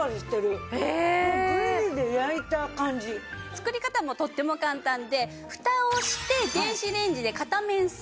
作り方もとっても簡単でフタをして電子レンジで片面３分。